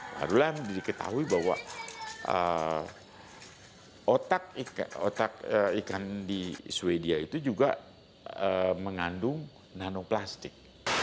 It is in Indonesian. barulah diketahui bahwa otak ikan di sweden itu juga mengandung nanoplastik